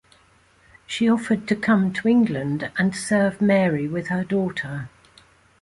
She offered to come to England and serve Mary with her daughter.